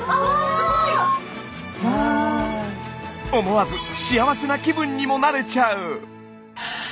思わず幸せな気分にもなれちゃう。